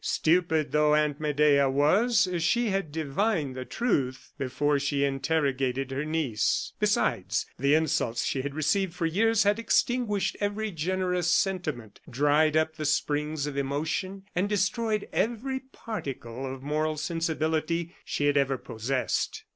Stupid though Aunt Medea was, she had divined the truth before she interrogated her niece. Besides, the insults she had received for years had extinguished every generous sentiment, dried up the springs of emotion, and destroyed every particle of moral sensibility she had ever possessed.